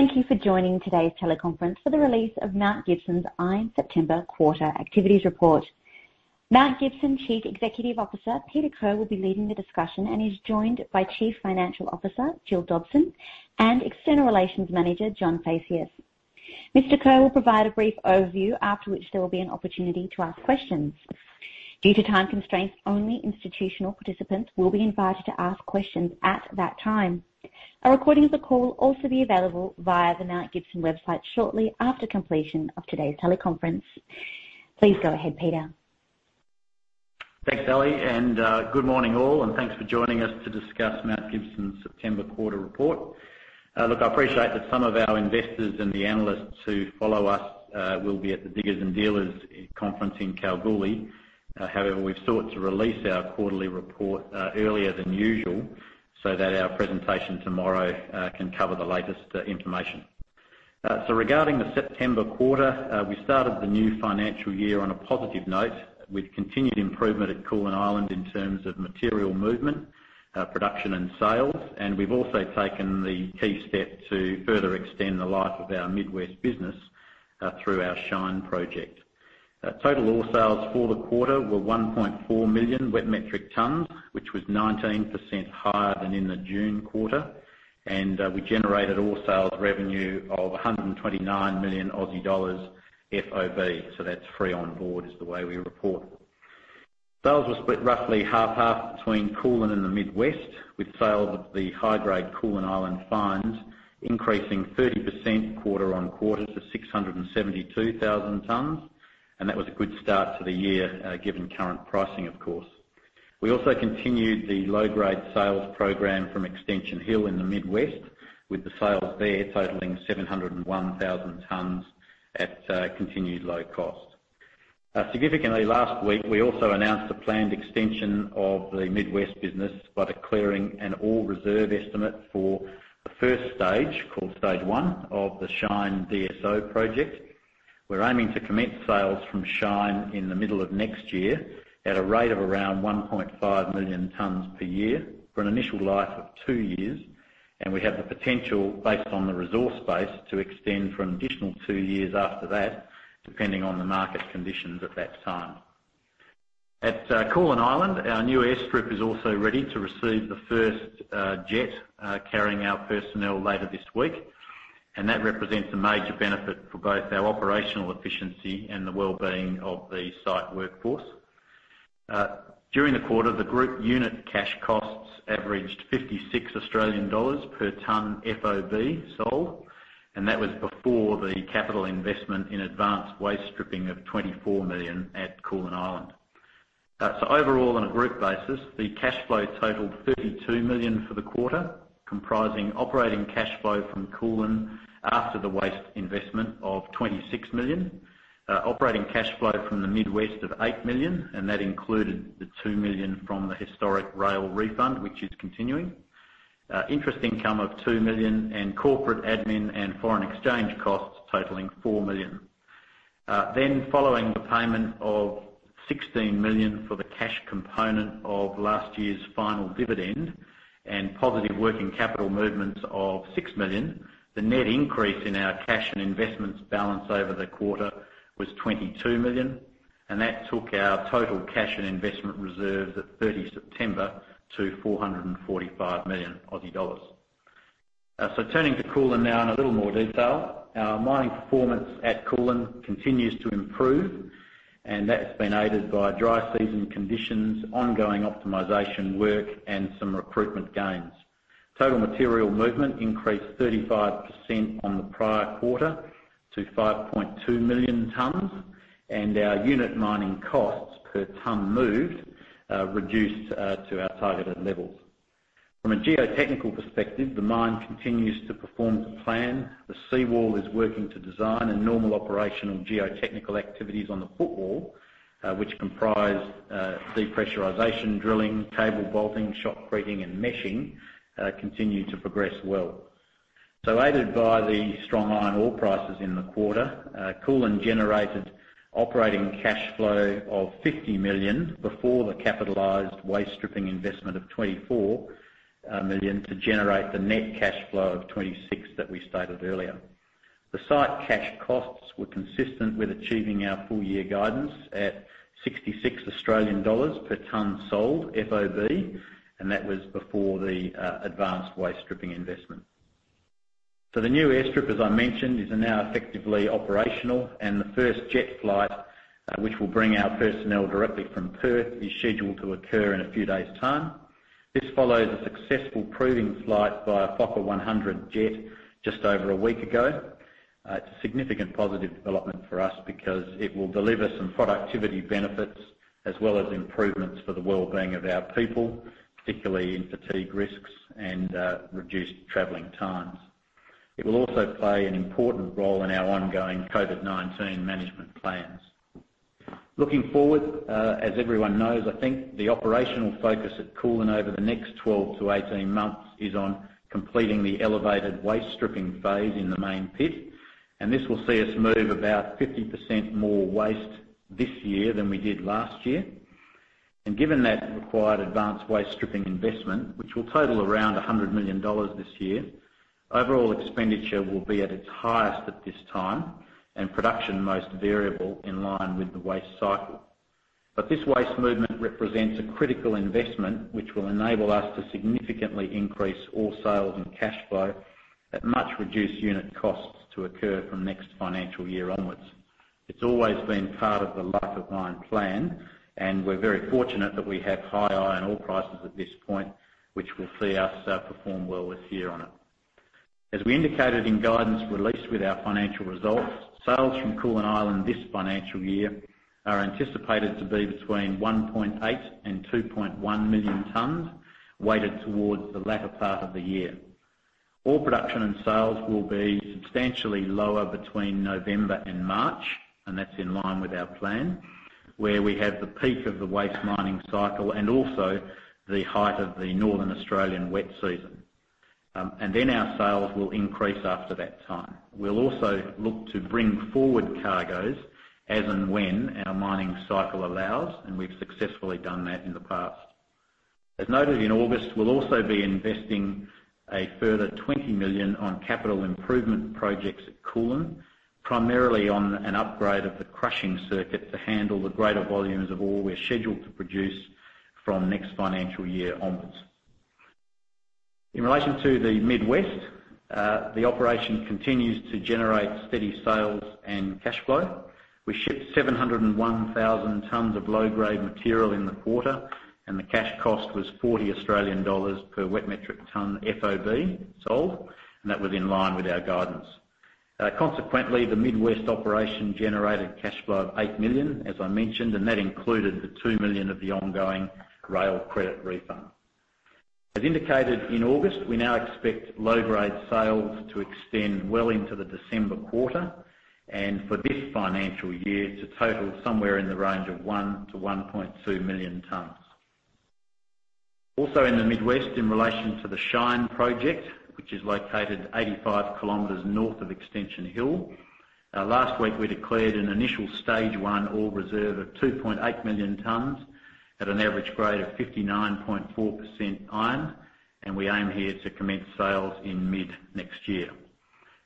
Thank you for joining today's teleconference for the release of Mount Gibson Iron's September quarter activities report. Mount Gibson Chief Executive Officer, Peter Kerr, will be leading the discussion and is joined by Chief Financial Officer, Gill Dobson, and External Relations Manager, John Phaceas. Mr. Kerr will provide a brief overview, after which there will be an opportunity to ask questions. Due to time constraints, only institutional participants will be invited to ask questions at that time. A recording of the call will also be available via the Mount Gibson website shortly after completion of today's teleconference. Please go ahead, Peter. Thanks, [Ellie], and good morning all, and thanks for joining us to discuss Mount Gibson's September quarter report. Look, I appreciate that some of our investors and the analysts who follow us will be at the Diggers & Dealers conference in Kalgoorlie. However, we've sought to release our quarterly report earlier than usual so that our presentation tomorrow can cover the latest information. Regarding the September quarter, we started the new financial year on a positive note with continued improvement at Koolan Island in terms of material movement, production and sales. We've also taken the key step to further extend the life of our Mid-West business, through our Shine project. Total ore sales for the quarter were 1.4 Mwmt, which was 19% higher than in the June quarter. We generated ore sales revenue of 129 million Aussie dollars FOB. That's free on board, is the way we report. Sales were split roughly half-half between Koolan and the Mid-West, with sales of the high-grade Koolan Island fines increasing 30% quarter-on-quarter to 672,000 tons. That was a good start to the year, given current pricing, of course. We also continued the low-grade sales program from Extension Hill in the Mid-West, with the sales there totaling 701,000 tons at continued low cost. Significantly last week, we also announced a planned extension of the Mid-West business by declaring an ore reserve estimate for the first stage, called Stage 1, of the Shine DSO project. We're aiming to commence sales from Shine in the middle of next year at a rate of around 1.5 million tons per year for an initial life of two years. We have the potential, based on the resource base, to extend for an additional two years after that, depending on the market conditions at that time. At Koolan Island, our new airstrip is also ready to receive the first jet carrying our personnel later this week. That represents a major benefit for both our operational efficiency and the well-being of the site workforce. During the quarter, the group unit cash costs averaged 56 Australian dollars per ton FOB sold, and that was before the capital investment in advanced waste stripping of 24 million at Koolan Island. Overall, on a group basis, the cash flow totaled 32 million for the quarter, comprising operating cash flow from Koolan after the waste investment of 26 million. Operating cash flow from the Mid-West of 8 million, and that included the 2 million from the historic rail refund, which is continuing. Interest income of 2 million and corporate admin and foreign exchange costs totaling 4 million. Following the payment of 16 million for the cash component of last year's final dividend and positive working capital movements of 6 million, the net increase in our cash and investments balance over the quarter was 22 million, and that took our total cash and investment reserves at September 30 to 445 million Aussie dollars. Turning to Koolan now in a little more detail. Our mining performance at Koolan continues to improve, and that's been aided by dry season conditions, ongoing optimization work, and some recruitment gains. Total material movement increased 35% on the prior quarter to 5.2 million tons, and our unit mining costs per ton moved reduced to our targeted levels. From a geotechnical perspective, the mine continues to perform to plan. The sidewall is working to design and normal operational geotechnical activities on the footwall. Which comprise depressurization, drilling, cable bolting, shotcreting, and meshing, continue to progress well. Aided by the strong iron ore prices in the quarter, Koolan generated operating cash flow of 50 million before the capitalized waste stripping investment of 24 million to generate the net cash flow of 26 million that we stated earlier. The site cash costs were consistent with achieving our full year guidance at 66 Australian dollars per ton sold FOB, and that was before the advanced waste stripping investment. The new airstrip, as I mentioned, is now effectively operational and the first jet flight, which will bring our personnel directly from Perth, is scheduled to occur in a few days' time. This follows a successful proving flight by a Fokker 100 jet just over a week ago. It's a significant positive development for us because it will deliver some productivity benefits as well as improvements for the well-being of our people, particularly in fatigue risks and reduced traveling times. It will also play an important role in our ongoing COVID-19 management plans. Looking forward, as everyone knows, I think the operational focus at Koolan over the next 12-18 months is on completing the elevated waste stripping phase in the main pit. This will see us move about 50% more waste this year than we did last year. Given that required advanced waste stripping investment, which will total around 100 million dollars this year, overall expenditure will be at its highest at this time, and production most variable in line with the waste cycle. This waste movement represents a critical investment, which will enable us to significantly increase ore sales and cash flow at much reduced unit costs to occur from next financial year onwards. It's always been part of the life of mine plan, and we're very fortunate that we have high iron ore prices at this point, which will see us perform well this year on it. As we indicated in guidance released with our financial results, sales from Koolan Island this financial year are anticipated to be between 1.8 and 2.1 million tons, weighted towards the latter part of the year. Ore production and sales will be substantially lower between November and March, that's in line with our plan, where we have the peak of the waste mining cycle and also the height of the Northern Australian wet season. Our sales will increase after that time. We'll also look to bring forward cargoes as and when our mining cycle allows, and we've successfully done that in the past. As noted in August, we'll also be investing a further 20 million on capital improvement projects at Koolan, primarily on an upgrade of the crushing circuit to handle the greater volumes of ore we're scheduled to produce from next financial year onwards. In relation to the Mid-West, the operation continues to generate steady sales and cash flow. We shipped 701,000 tons of low-grade material in the quarter, and the cash cost was 40 Australian dollars per wet metric tons FOB sold, and that was in line with our guidance. Consequently, the Mid-West operation generated cash flow of 8 million, as I mentioned, and that included the 2 million of the ongoing rail credit refund. As indicated in August, we now expect low-grade sales to extend well into the December quarter, and for this financial year to total somewhere in the range of 1 million tons-1.2 million tons. Also in the Mid-West, in relation to the Shine project, which is located 85 km north of Extension Hill, last week we declared an initial Stage 1 ore reserve of 2.8 million tons at an average grade of 59.4% iron, and we aim here to commence sales in mid-next year.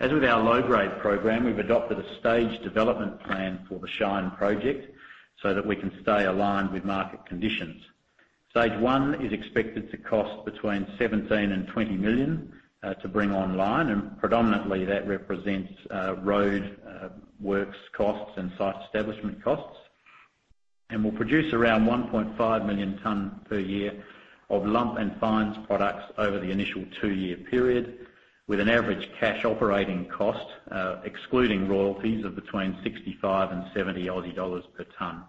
As with our low-grade program, we've adopted a staged development plan for the Shine project so that we can stay aligned with market conditions. Stage 1 is expected to cost between 17 million and 20 million to bring online, predominantly that represents road works costs and site establishment costs, and will produce around 1.5 million ton per year of lump and fines products over the initial two-year period with an average cash operating cost, excluding royalties, of between 65 and 70 Aussie dollars per ton.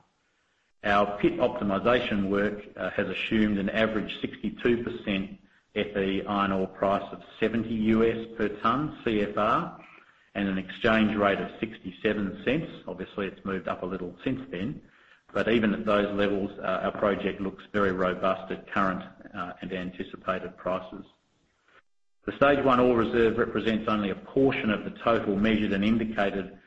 Our pit optimization work has assumed an average 62% Fe iron ore price of $70 per ton CFR and an exchange rate of $0.67. Obviously, it's moved up a little since then. Even at those levels, our project looks very robust at current and anticipated prices. The Stage 1 ore reserve represents only a portion of the total measured and indicated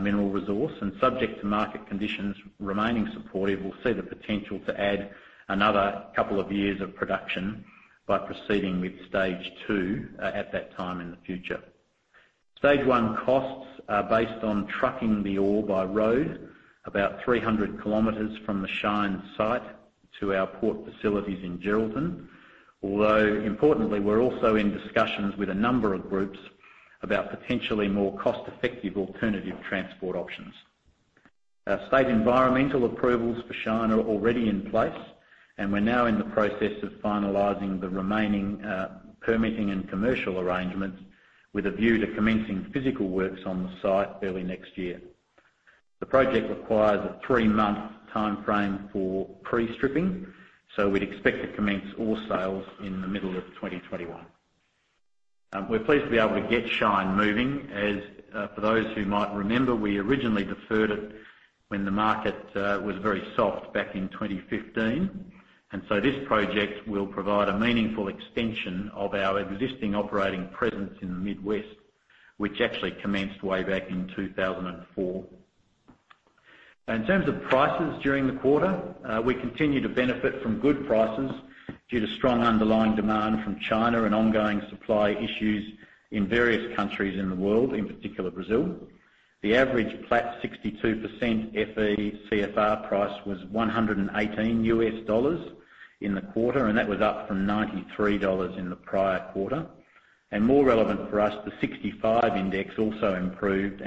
mineral resource, and subject to market conditions remaining supportive, we'll see the potential to add another couple of years of production by proceeding with Stage 2 at that time in the future. Stage 1 costs are based on trucking the ore by road about 300 km from the Shine site to our port facilities in Geraldton. Importantly, we're also in discussions with a number of groups about potentially more cost-effective alternative transport options. Our state environmental approvals for Shine are already in place, and we're now in the process of finalizing the remaining permitting and commercial arrangements with a view to commencing physical works on the site early next year. The project requires a three-month timeframe for pre-stripping, so we'd expect to commence ore sales in the middle of 2021. We're pleased to be able to get Shine moving. As for those who might remember, we originally deferred it when the market was very soft back in 2015. This project will provide a meaningful extension of our existing operating presence in the Mid-West, which actually commenced way back in 2004. In terms of prices during the quarter, we continue to benefit from good prices due to strong underlying demand from China and ongoing supply issues in various countries in the world, in particular Brazil. The average flat 62% Fe CFR price was $118 in the quarter, and that was up from $93 in the prior quarter. More relevant for us, the 65% index also improved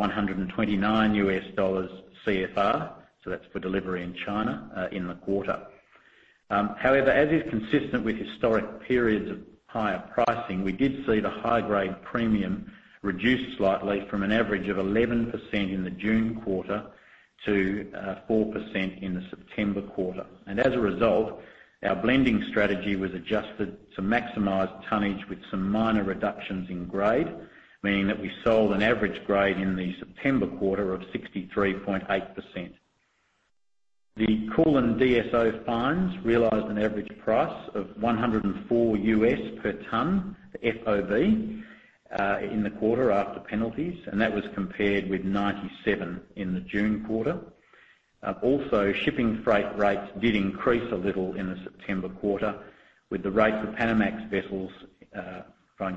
and averaged $129 CFR, so that's for delivery in China, in the quarter. However, as is consistent with historic periods of higher pricing, we did see the high-grade premium reduce slightly from an average of 11% in the June quarter to 4% in the September quarter. As a result, our blending strategy was adjusted to maximize tonnage with some minor reductions in grade, meaning that we sold an average grade in the September quarter of 63.8%. The Koolan DSO fines realized an average price of $104 per ton FOB. In the quarter after penalties, that was compared with $97 in the June quarter. Also, shipping freight rates did increase a little in the September quarter with the rates for Panamax vessels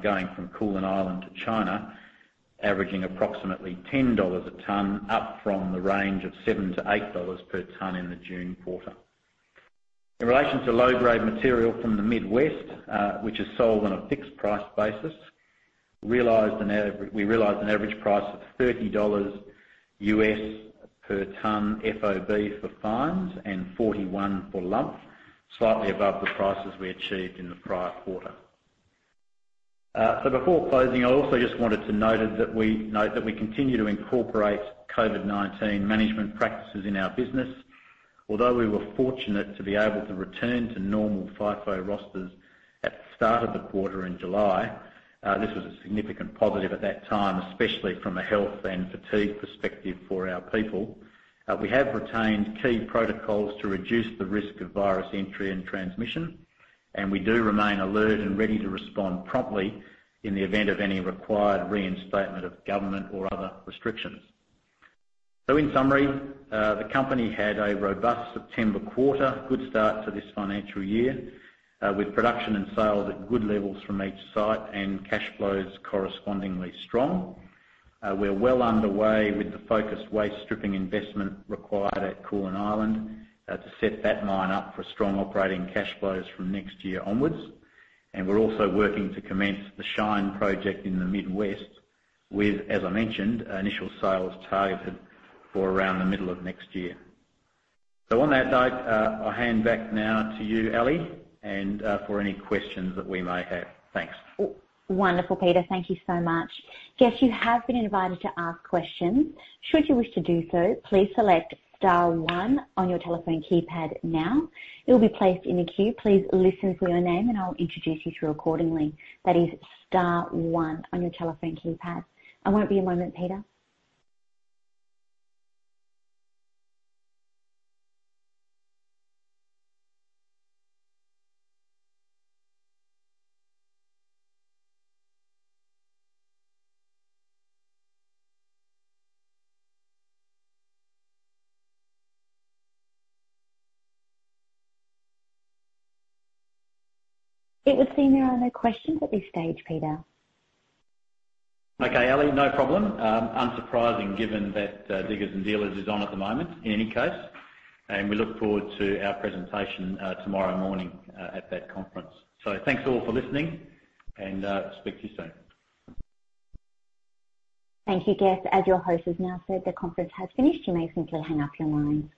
going from Koolan Island to China averaging approximately $10 a ton, up from the range of $7-$8 per ton in the June quarter. In relation to low-grade material from the Mid-West, which is sold on a fixed-price basis, we realized an average price of $30 per ton FOB for fines and $41 for lump, slightly above the prices we achieved in the prior quarter. Before closing, I also just wanted to note that we continue to incorporate COVID-19 management practices in our business. Although we were fortunate to be able to return to normal FIFO rosters at the start of the quarter in July, this was a significant positive at that time, especially from a health and fatigue perspective for our people. We have retained key protocols to reduce the risk of virus entry and transmission, and we do remain alert and ready to respond promptly in the event of any required reinstatement of government or other restrictions. In summary, the company had a robust September quarter, a good start to this financial year, with production and sales at good levels from each site and cash flows correspondingly strong. We're well underway with the focused waste stripping investment required at Koolan Island to set that mine up for strong operating cash flows from next year onwards. We're also working to commence the Shine project in the Mid-West with, as I mentioned, initial sales targeted for around the middle of next year. On that note, I'll hand back now to you, [Ellie], and for any questions that we may have. Thanks. Wonderful, Peter. Thank you so much. Guests, you have been invited to ask questions. Should you wish to do so, please select star one on your telephone keypad now. You'll be placed in a queue. Please listen for your name, and I'll introduce you through accordingly. That is star one on your telephone keypad. I won't be a moment, Peter. It would seem there are no questions at this stage, Peter. Okay, [Ellie], no problem. Unsurprising given that Diggers & Dealers is on at the moment, in any case, and we look forward to our presentation tomorrow morning at that conference. Thanks all for listening and speak to you soon. Thank you, guests. As your host has now said the conference has finished, you may simply hang up your lines.